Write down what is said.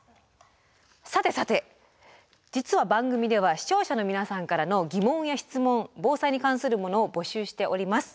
さてさて実は番組では視聴者の皆さんからの疑問や質問防災に関するものを募集しております。